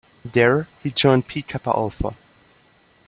There, he joined Pi Kappa Alpha.